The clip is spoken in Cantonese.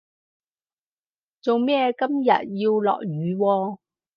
做咩今日要落雨喎